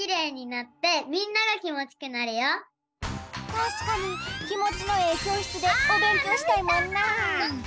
たしかにきもちのええきょうしつでおべんきょうしたいもんな。